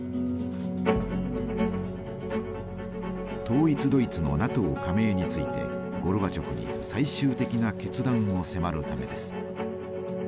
統一ドイツのＮＡＴＯ加盟についてゴルバチョフに最終的な決断を迫るためです。